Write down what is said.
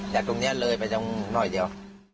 แต่ตรงเนี่ยเลยไปตรงน้อยเดียว